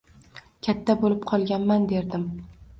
Katta bulib qolganman derdim